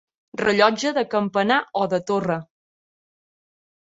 Rellotge de campanar o de torre.